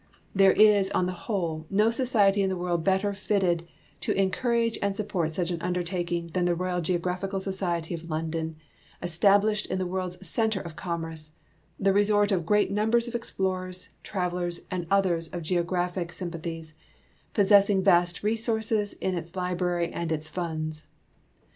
There is, on the whole, no society in the world better fitted to encourage and support such an under taking than the Royal Geographical Society of London — estab lished in the world's center of commerce, the resort of great numbers of explorers, travelers, and others of geographic sym THE MEXICAN CENSUS 211 pathies, possessing vast resources in its library and its funds.